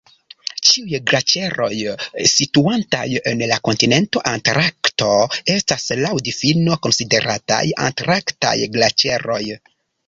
Ĉiuj glaĉeroj situantaj en la kontinento Antarkto estas laŭ difino konsiderataj Antarktaj glaĉeroj.